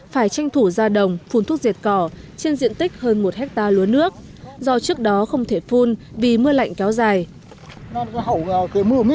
phải tranh thủ ra đồng phun thuốc diệt cỏ trên diện tích hơn một hectare lúa nước do trước đó không thể phun vì mưa lạnh kéo dài